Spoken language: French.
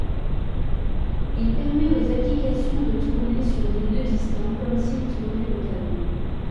Il permet aux applications de tourner sur des nœuds distants comme s'ils tournaient localement.